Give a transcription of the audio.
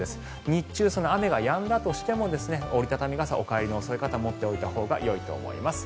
日中、雨がやんだとしても折り畳み傘をお帰りの遅い方は持っておいたほうがよいと思います。